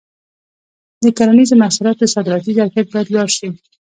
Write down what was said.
د کرنیزو محصولاتو صادراتي ظرفیت باید لوړ شي.